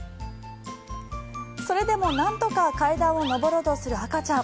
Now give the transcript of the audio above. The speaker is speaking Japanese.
それでも、なんとか階段を上ろうとする赤ちゃん。